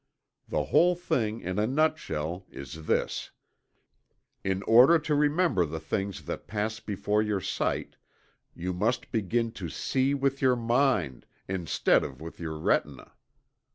The whole thing in a nut shell is this: In order to remember the things that pass before your sight, you must begin to see with your mind, instead of with your retina.